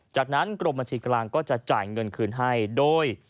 จากนั้นกรมบัญชีกลางก็จะจ่ายเงินคืนให้โดย